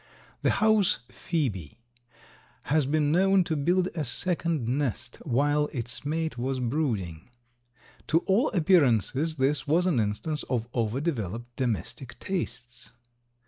The house phoebe has been known to build a second nest while its mate was brooding. To all appearances this was an instance of over developed domestic tastes.